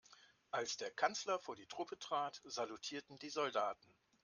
Als der Kanzler vor die Truppe trat, salutierten die Soldaten.